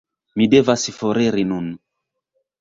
Mi devas foriri nun